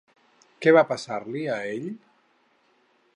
Què va passar-li a ell?